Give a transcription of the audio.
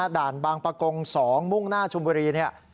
ด่านบางประกง๒มุ่งหน้าชุมบุรีเนี่ย